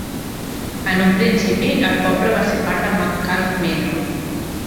En un principi, el poble va ser part de McCall Manor.